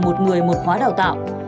một người một khóa đào tạo